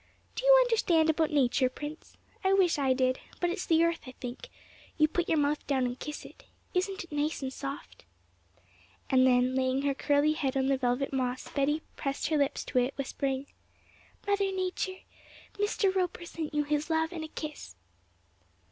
Do you understand about nature, Prince? I wish I did, but it's the earth, I think; you put your mouth down and kiss it. Isn't it nice and soft?' And then, laying her curly head on the velvet moss, Betty pressed her lips to it, whispering, 'Mother Nature, Mr. Roper sent you his love and a kiss!'